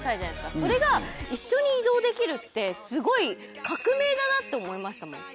それが一緒に移動できるってすごい革命だなって思いましたもん。